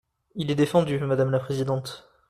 Il est défendu, madame la présidente.